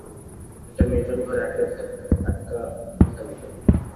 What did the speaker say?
একটা নির্জন ঘরে আটকা থাকব।